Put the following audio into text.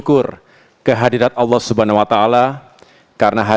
selamat siang dan salam sejahtera untuk kita semua